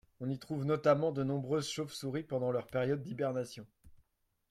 On y trouve notamment de nombreuses chauves-souris pendant leur période d’hibernation.